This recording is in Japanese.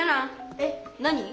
えっ？何。